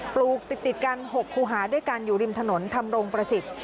ปลูกติดกัน๖คูหาด้วยกันอยู่ริมถนนทำรงประสิทธิ์